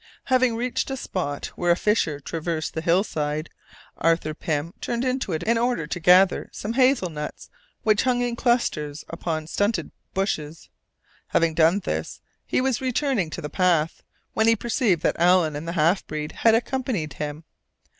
Having reached a spot where a fissure traversed the hillside, Arthur Pym turned into it in order to gather some hazel nuts which hung in clusters upon stunted bushes. Having done this, he was returning to the path, when he perceived that Allen and the half breed had accompanied him.